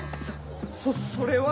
そそれは。